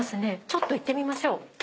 ちょっと行ってみましょう。